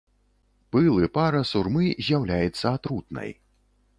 Пыл і пара сурмы з'яўляецца атрутнай.